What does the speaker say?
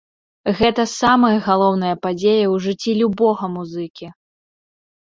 Гэта самая галоўная падзея ў жыцці любога музыкі.